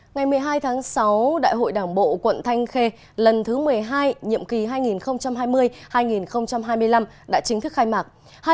ngày một mươi hai tháng sáu đại hội đảng bộ quận thanh khê lần thứ một mươi hai nhiệm kỳ hai nghìn hai mươi hai nghìn hai mươi năm đã chính thức khai mạc